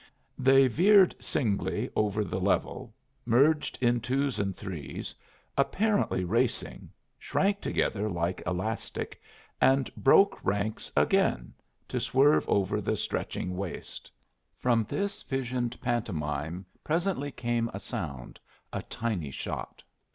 They veered singly over the level, merged in twos and threes, apparently racing, shrank together like elastic, and broke ranks again to swerve over the stretching waste. From this visioned pantomime presently came a sound, a tiny shot.